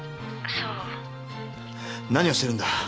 何をしてるんだ！？